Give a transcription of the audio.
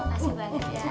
asyik banget ya